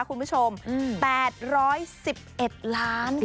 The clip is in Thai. คุณผู้ชม๘๑๑ล้าน